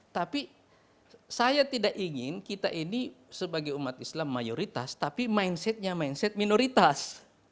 tapi saya tidak ingin kita ini sebagai umat islam mayoritas tapi mindsetnya mindset minoritas